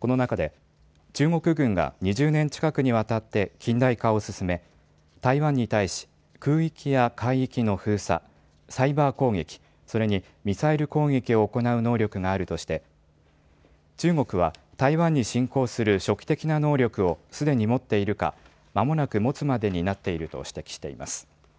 この中で中国軍が２０年近くにわたって近代化を進め台湾に対し空域や海域の封鎖、サイバー攻撃、それにミサイル攻撃を行う能力があるとして中国は台湾に侵攻する初期的な能力をすでに持っているか、まもなく持つまでになっていると指摘しています。